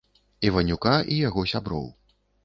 Іванюка і яго сяброў.